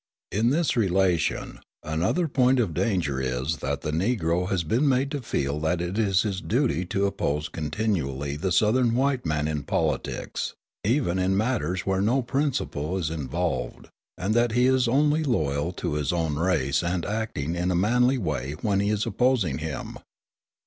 In this relation another point of danger is that the Negro has been made to feel that it is his duty to oppose continually the Southern white man in politics, even in matters where no principle is involved, and that he is only loyal to his own race and acting in a manly way when he is opposing him.